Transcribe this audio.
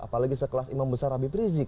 apalagi sekelas imam besar rabbi prizik